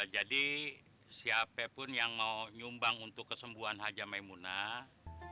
jadi siapapun yang mau nyumbang untuk kesembuhan haja maimunah